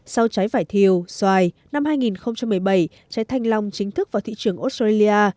sau trái vải thiều xoài năm hai nghìn một mươi bảy trái thanh long chính thức vào thị trường australia